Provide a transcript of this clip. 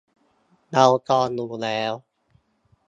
เราจองอยู่แล้ว